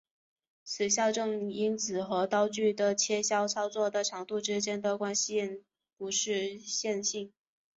此校正因子和刀具的切削操作的长度之间的关系不是线性的。